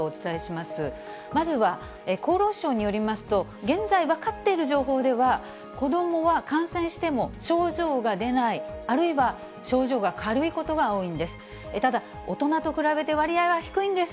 まずは厚労省によりますと、現在分かっている情報では、子どもは感染しても症状が出ない、あるいは症状が軽いことが多いんです。